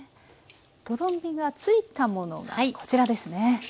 とろみがついたものがこちらですね。